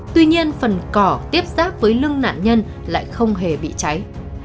tuy nhiên phần cỏ tiếp xác với lưng nạn nhân lại không hề bị cháy